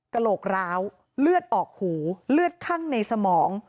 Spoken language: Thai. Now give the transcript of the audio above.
กระโหลกร้าวเลือดออกหูเลือดคั่งในสมอง